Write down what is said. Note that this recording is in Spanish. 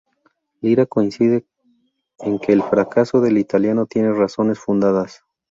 Lira coincide en que el fracaso del italiano tiene razones fundadas.